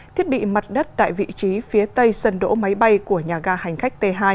thiết bị mặt đất tại vị trí phía tây sân đỗ máy bay của nhà ga hành khách t hai